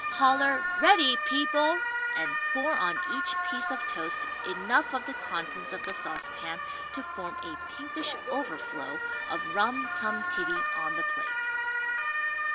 Holler "Ready, people!" and pour on each piece of toast enough of the contents of the saucepan to form a pinkish overflow of rum tum tiddy on the plate.